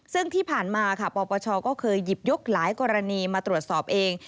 ซึ่งที่ผ่านมาค่ะปปชก็เคยหยิบยกหลายกรณีมาตรวจสอบเอง